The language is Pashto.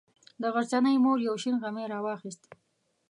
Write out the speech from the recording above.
د غرڅنۍ مور یو شین غمی راواخیست.